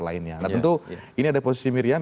lainnya nah tentu ini ada posisi miriam